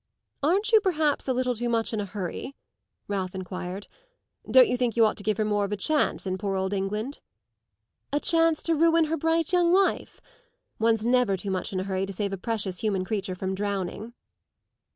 "Aren't you perhaps a little too much in a hurry?" Ralph enquired. "Don't you think you ought to give her more of a chance in poor old England?" "A chance to ruin her bright young life? One's never too much in a hurry to save a precious human creature from drowning."